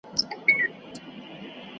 په تندي کي مو لیکلي د سپرلیو جنازې دي .